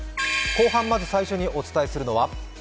後半まず最初にお伝えするのは。